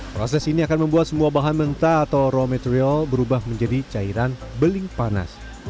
proses ini akan membuat semua bahan mentah atau raw material berubah menjadi cairan beling panas